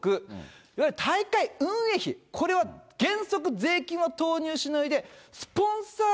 いわゆる大会運営費、これは原則税金を投入しないで、